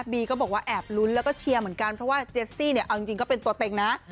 ก็บอกว่าแอบลุ้นแล้วก็เชียร์เหมือนกันเพราะว่าเจสซี่เนี่ยเอาจริงก็เป็นตัวเต็งนะ